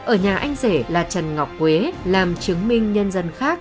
ở nhà anh rể là trần ngọc quế làm chứng minh nhân dân khác